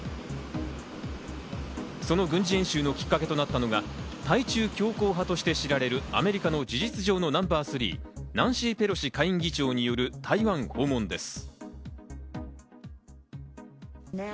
その軍事演習のきっかけとなったのが対中強硬派として知られるアメリカの事実上のナンバー３、ナンシー・ペロシ下院議長による台湾訪問です。